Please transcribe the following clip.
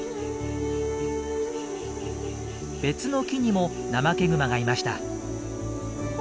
別の木にもナマケグマがいました。